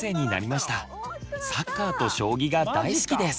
サッカーと将棋が大好きです。